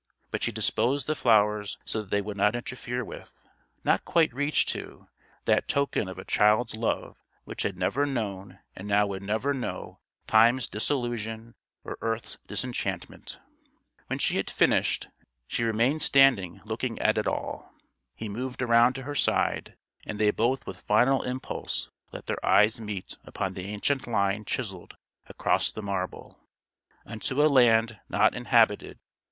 But she disposed the flowers so that they would not interfere with not quite reach to that token of a child's love which had never known and now would never know time's disillusion or earth's disenchantment. When she had finished, she remained standing looking at it all. He moved around to her side; and they both with final impulse let their eyes meet upon the ancient line chiselled across the marble: "=Unto a Land Not Inhabited.